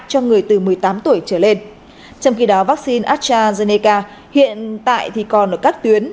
cho người từ một mươi tám tuổi trở lên trong khi đó vaccine astrazeneca hiện tại thì còn ở các tuyến